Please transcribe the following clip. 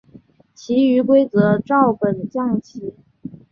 其余规则照本将棋。